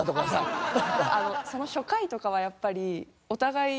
初回とかはやっぱりお互い。